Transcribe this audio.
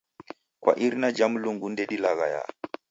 Kwa irina jha Mulungu ndedilaghaya